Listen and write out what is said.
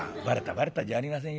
「『バレた』じゃありませんよ。